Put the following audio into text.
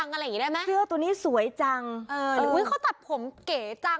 อะไรอย่างงี้ได้ไหมเสื้อตัวนี้สวยจังเออหรืออุ้ยเขาตัดผมเก๋จัง